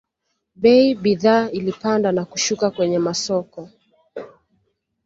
bei bidhaa ilipanda na kushuka kwenye masoko